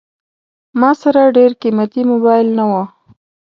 ما سره ډېر قیمتي موبایل نه و.